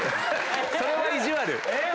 それは意地悪。